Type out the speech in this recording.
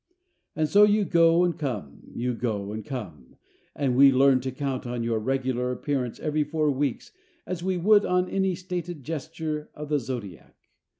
And so you go and come, you go and come, and we learn to count on your regular appearance every four weeks as we would on any stated gesture of the zodiac.